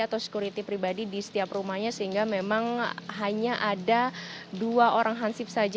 atau security pribadi di setiap rumahnya sehingga memang hanya ada dua orang hansip saja